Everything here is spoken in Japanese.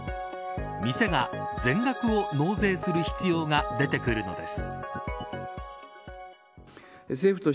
店が全額を納税する必要が出てくるのです。